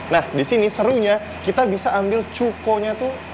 nah disini serunya kita bisa ambil cukonya tuh